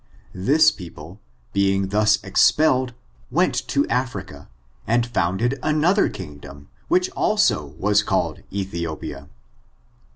This people, being thus expelled, went to Africa, and founded another kingdom, which also waa called Ethiopia.